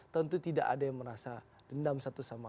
tentu tidak ada yang merasa dendam satu satunya